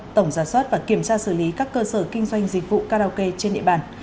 tổng giả soát và kiểm tra xử lý các cơ sở kinh doanh dịch vụ karaoke trên địa bàn